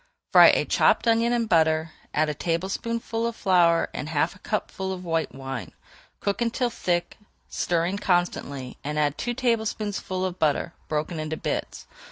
Fry a chopped onion in butter, add a tablespoonful of flour and half a cupful of white wine. Cook until thick, stirring constantly, and add two tablespoonfuls of butter, broken into bits.